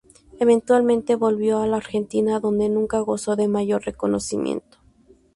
Eventualmente volvió a la Argentina, donde nunca gozó de mayor reconocimiento.